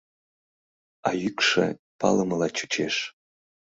А йӱкшӧ палымыла чучеш.